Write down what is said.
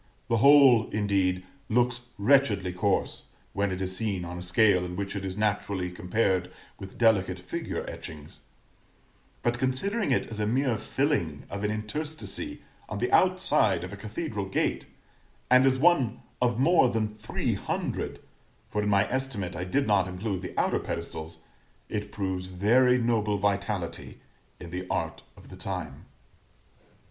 The whole, indeed, looks wretchedly coarse, when it is seen on a scale in which it is naturally compared with delicate figure etchings; but considering it as a mere filling of an interstice on the outside of a cathedral gate, and as one of more than three hundred (for in my estimate I did not include the outer pedestals), it proves very noble vitality in the art of the time.